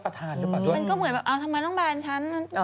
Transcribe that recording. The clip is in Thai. ก็เหมือนแบบทำไมต้องแบรนด์ฉัน